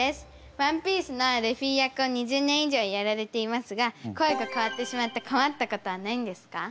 「ＯＮＥＰＩＥＣＥ」のルフィ役を２０年以上やられていますが声が変わってしまってこまったことはないんですか？